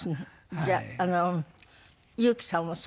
じゃあ裕基さんもそう？